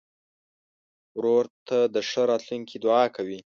ورور ته د ښه راتلونکي دعا کوې.